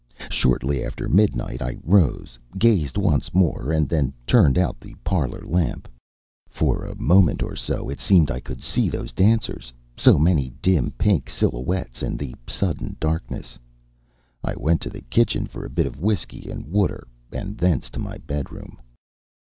Shortly after midnight I rose, gazed once more, and then turned out the parlor lamp. For a moment, or so it seemed, I could see those dancers, so many dim pink silhouettes in the sudden darkness. I went to the kitchen for a bit of whisky and water, and thence to my bedroom.